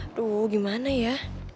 aduh gimana ya